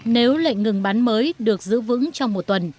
nếu lệnh ngừng bắn mới được giữ vững trong một tuần